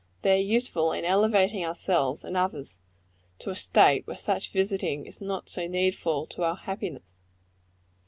They are useful in elevating ourselves and others to a state where such visiting is not so needful to our happiness.